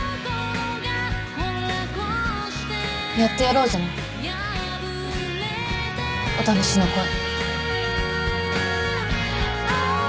やってやろうじゃないお試しの恋。